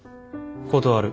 断る。